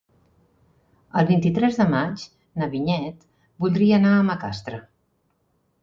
El vint-i-tres de maig na Vinyet voldria anar a Macastre.